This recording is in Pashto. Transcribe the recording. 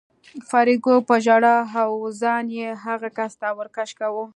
فریدګل په ژړا و او ځان یې هغه کس ته ور کش کاوه